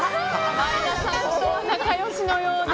前田さんと仲良しのようで。